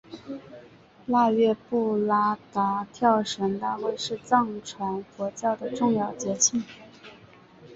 腊月布拉达跳神大会是藏传佛教的重要节庆。